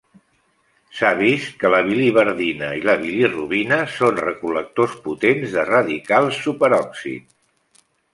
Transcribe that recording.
S'ha vist que la biliverdina i la bilirubina són recol·lectors potents de radicals superòxid.